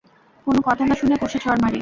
কোনো কথা না শুনে কষে চড় মারে।